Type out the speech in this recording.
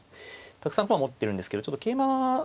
たくさん駒持ってるんですけどちょっと桂馬とか角は